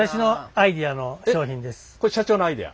これ社長のアイデア？